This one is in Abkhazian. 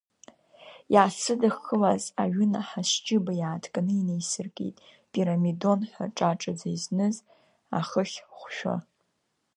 Иаасыдыххылаз аҩынаҳа сџьыба иааҭганы инеисыркит пирамидон ҳәа ҿаҿаӡа изныз ахыхь хәшәы.